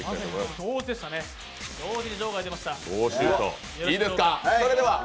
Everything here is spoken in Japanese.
同時に場外に出ました。